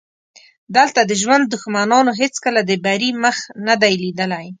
دلته د ژوند دښمنانو هېڅکله د بري مخ نه دی لیدلی.